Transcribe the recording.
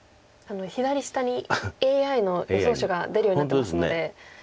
左下にＡＩの予想手が出るようになってますので。